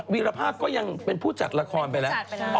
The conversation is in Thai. ีรภาพก็ยังเป็นผู้จัดละครไปแล้ว